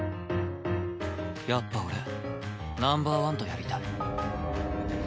やっぱ俺ナンバー１とやりたい。